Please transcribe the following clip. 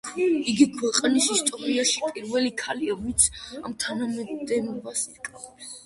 იგი ქვეყნის ისტორიაში პირველი ქალია, ვინც ამ თანამდებობას იკავებს.